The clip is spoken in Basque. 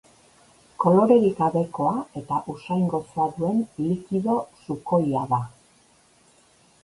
Kolorerik gabekoa eta usain gozoa duen likido sukoia da.